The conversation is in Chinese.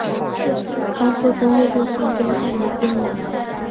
高速公路路线编号被编为。